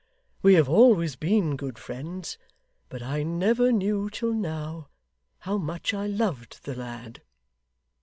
We have always been good friends, but I never knew, till now, how much I loved the lad.